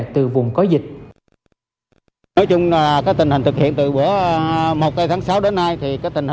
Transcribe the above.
từ vùng có dịch